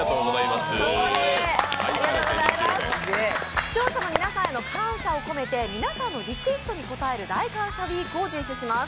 そこで視聴者の皆さんへの感謝を込めて皆さんのリクエストに応える大感謝ウイークを実施します。